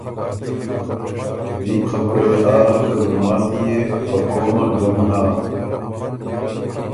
دیم خبُره يې آ هۀ که ګلماتی يې په قومه ډُم هۀ۔